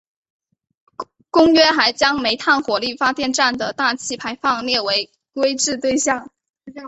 公约还将煤炭火力发电站的大气排放列为规制对象。